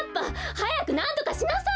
はやくなんとかしなさい！